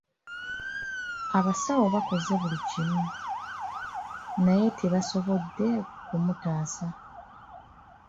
Abasawo bakoze buli kimu, naye tebaasobodde kumutaasa.